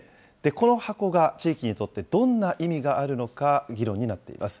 この箱が地域にとってどんな意味があるのか議論になっています。